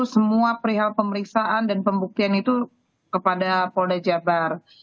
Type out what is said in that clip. semua perihal pemeriksaan dan pembuktian itu kepada polda jabar